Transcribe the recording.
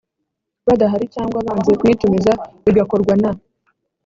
badahari cyangwa banze kuyitumiza bigakorwa na